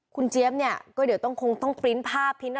คุณเจี๊ยบเนี้ยก็เดี๋ยวต้องครูปปริ้นท์ภาพ